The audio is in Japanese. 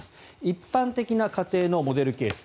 一般的な家庭のモデルケース